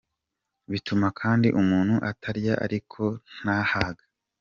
Bituma kandi umuntu arya ariko ntahage.